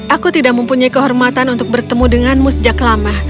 aku tidak mempunyai kehormatan untuk bertemu denganmu sejak lama